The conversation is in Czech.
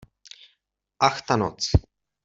Ach ta noc!